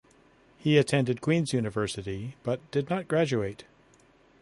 He attended Queen's University but did not graduate.